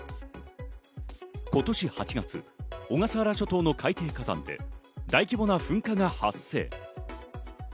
今年８月、小笠原諸島の海底火山で大規模な噴火が発生。